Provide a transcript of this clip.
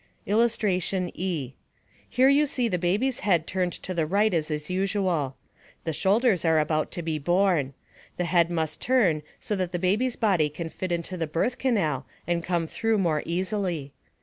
] [Illustration: E. Here you see the baby's head turned to the right as is usual. The shoulders are about to be born. The head must turn so that the baby's body can fit into the birth canal and come through more easily.